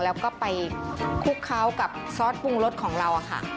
แล้วก็ไปคลุกเคล้ากับซอสปรุงรสของเราค่ะ